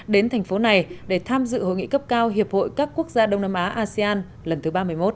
đến thành phố này để tham dự hội nghị cấp cao hiệp hội các quốc gia đông nam á asean lần thứ ba mươi một